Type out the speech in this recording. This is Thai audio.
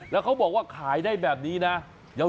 แล้วเขาบอกว่าขายได้แบบนี้นะ